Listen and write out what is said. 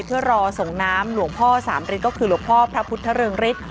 เพื่อรอส่งน้ำหลวงพ่อสามฤทธิก็คือหลวงพ่อพระพุทธเริงฤทธิ